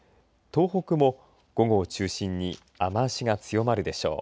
東北も午後を中心に雨足が強まるでしょう。